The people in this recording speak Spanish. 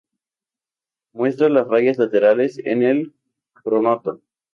Muestra las rayas laterales en el pronoto.